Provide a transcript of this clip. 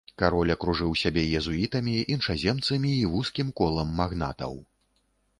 Кароль акружыў сябе езуітамі, іншаземцамі і вузкім колам магнатаў.